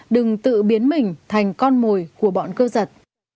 đừng tự biến mình thành con mồi của bọn cướp giật